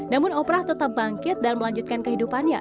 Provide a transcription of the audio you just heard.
namun oprah tetap bangkit dan melanjutkan kehidupannya